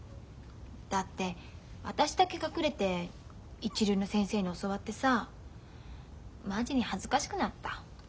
だって私だけ隠れて一流の先生に教わってさマジに恥ずかしくなった。